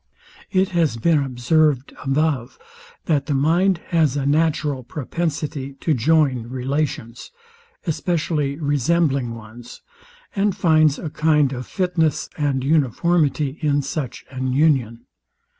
It has been observed above, that the mind has a natural propensity to join relations, especially resembling ones, and finds a hind of fitness and uniformity in such an union.